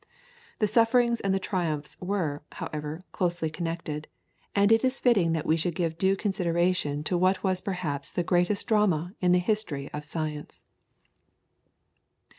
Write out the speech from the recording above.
The sufferings and the triumphs were, however, closely connected, and it is fitting that we should give due consideration to what was perhaps the greatest drama in the history of science.